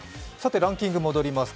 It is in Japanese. ランキング戻ります。